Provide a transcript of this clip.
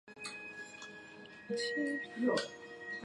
其首领的头衔是召片领。